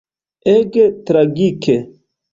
Ege tragike.